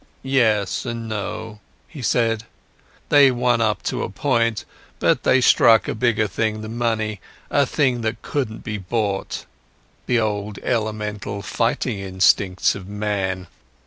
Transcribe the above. "Yes and no," he said. "They won up to a point, but they struck a bigger thing than money, a thing that couldn't be bought, the old elemental fighting instincts of man.